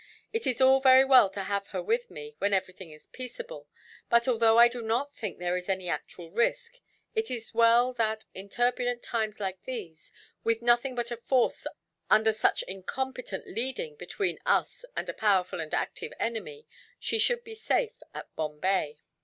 It is all very well to have her with me, when everything is peaceable; but although I do not think there is any actual risk, it is as well that, in turbulent times like these, with nothing but a force under such incompetent leading between us and a powerful and active enemy, she should be safe at Bombay."